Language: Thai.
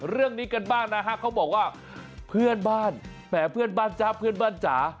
เรื่องนี้กันบ้างนะฮะเขาบอกว่าเพื่อนบ้านแหมเพื่อนบ้านจ๊ะเพื่อนบ้านจ๋า